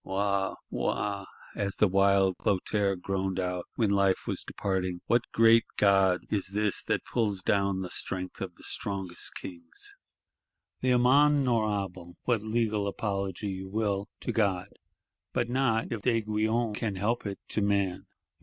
—'Wa, Wa,' as the wild Clotaire groaned out, when life was departing, 'what great God is this that pulls down the strength of the strongest kings!' The amende honorable, what "legal apology" you will, to God:—but not, if D'Aiguillon can help it, to man.